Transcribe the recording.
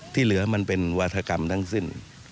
ที่เหลือมันเป็นวาธกรรมทั้งสิ้น